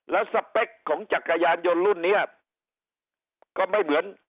แล้วสเปคของจักรยานยนต์รุ่นนี้ก็ไม่เหมือน